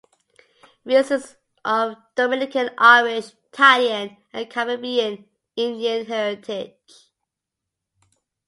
Reyes is of Dominican, Irish, Italian and Caribbean Indian heritage.